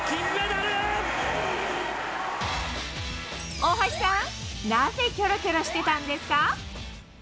大橋さん、なぜキョロキョロしてたんですか？